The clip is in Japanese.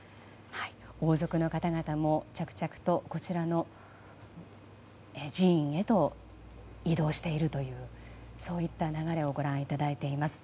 王族の方々も着々とこちらの寺院へと移動しているというそういった流れをご覧いただいています。